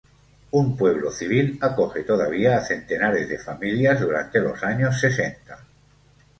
Un "pueblo civil" acoge todavía a centenares de familias durante los años sesenta.